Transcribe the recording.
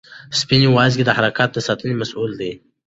سپینې وازګې د حرکاتو د ساتنې مسؤل دي.